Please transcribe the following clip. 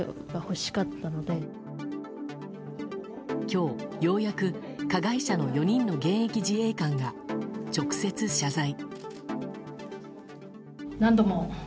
今日、ようやく加害者の４人の現役自衛官が直接謝罪。